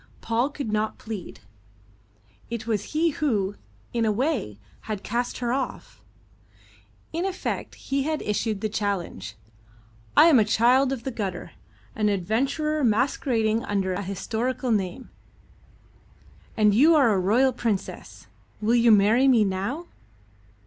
Paul could not plead. It was he who, in a way, had cast her off. In effect he had issued the challenge: "I am a child of the gutter, an adventurer masquerading under an historical name, and you are a royal princess. Will you marry me now?"